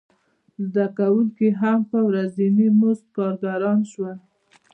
زده کوونکي هم په ورځیني مزد کارګران شول.